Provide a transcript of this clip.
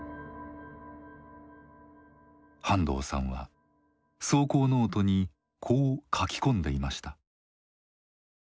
半藤さんは草稿ノートにこう書き込んでいました。